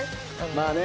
まあね